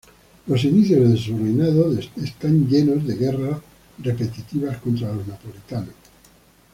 Los inicios de su reinado de están llenos de guerras repetitivas contra los napolitanos.